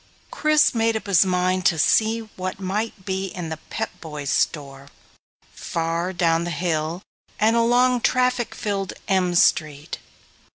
Chris made up his mind to see what might be in the Pep Boys' store, far down the hill and along traffic filled M Street.